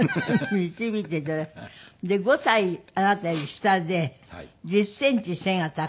５歳あなたより下で１０センチ背が高い。